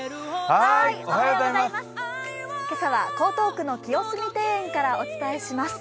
今朝は江東区の清澄庭園からお伝えします。